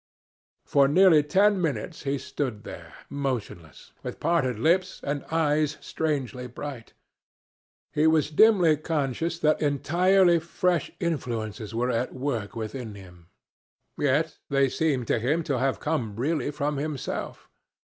For nearly ten minutes he stood there, motionless, with parted lips and eyes strangely bright. He was dimly conscious that entirely fresh influences were at work within him. Yet they seemed to him to have come really from himself.